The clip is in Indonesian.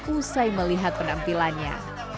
usai melihat penampilannya